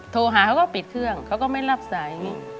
โทรหาเขาก็ปิดเครื่องเขาก็ไม่รับสาย